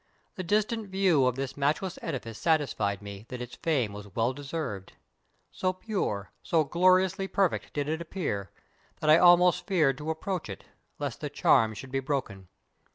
The distant \ iew of this matchless edifice satisfied me that its fame was well deser\'ed. So pure, so gloriously per fect did it appear, that I almost feared to approach it, lest the charm should be broken.